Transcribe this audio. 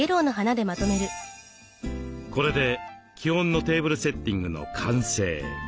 これで基本のテーブルセッティングの完成。